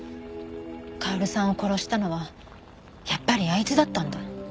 薫さんを殺したのはやっぱりあいつだったんだ。